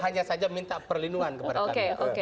hanya saja minta perlindungan kepada kami